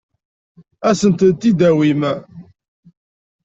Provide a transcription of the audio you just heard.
Ad as-ten-id-tawim?